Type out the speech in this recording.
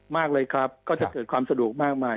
มากเลยครับก็จะเกิดความสะดวกมากมาย